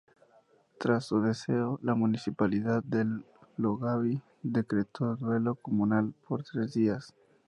Tras su deceso, la Municipalidad de Longaví decretó duelo comunal por tres días.